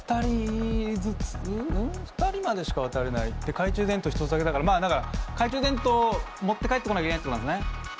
懐中電灯１つだけだからまあだから懐中電灯持って帰ってこなきゃいけないってことなんすね。